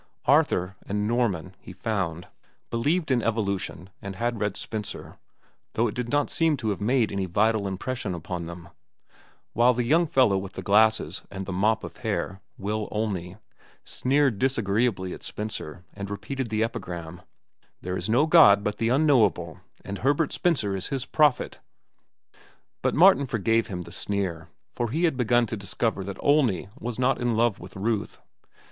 Arthur and Norman, he found, believed in evolution and had read Spencer, though it did not seem to have made any vital impression upon them, while the young fellow with the glasses and the mop of hair, Will Olney, sneered disagreeably at Spencer and repeated the epigram, "There is no god but the Unknowable, and Herbert Spencer is his prophet." But Martin forgave him the sneer, for he had begun to discover that Olney was not in love with Ruth.